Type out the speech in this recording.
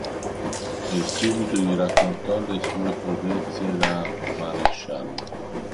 E subito gli raccontò le sue prodezze da maresciallo.